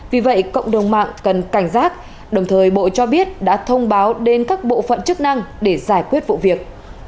vì vậy cộng đồng mạng cần cảnh giác đồng thời bộ cho biết đã thông báo đến các bộ phận chức năng để giải quyết vụ việc